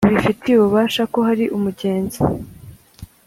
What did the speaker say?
Bubifitiye ububasha ko hari umugenzi